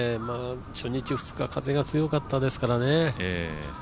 初日、２日、風が強かったですからね。